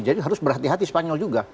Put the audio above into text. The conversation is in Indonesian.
jadi harus berhati hati spanyol juga